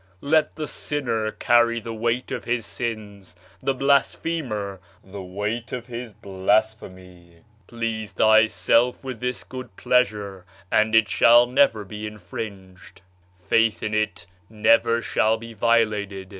Let the sinner carry the weight of his sins, the blasphemer the weight of his blasphemy. Please thyself with this good pleasure, and it shall never be infringed; faith in it never [shall be violated].